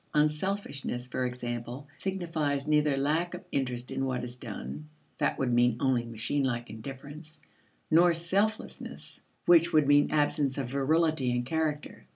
Unselfishness, for example, signifies neither lack of interest in what is done (that would mean only machine like indifference) nor selflessness which would mean absence of virility and character.